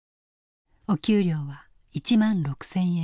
お給料は１６，０００円。